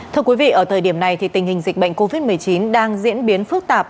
thưa quý vị ở thời điểm này tình hình dịch bệnh covid một mươi chín đang diễn biến phức tạp